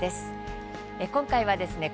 今回はですね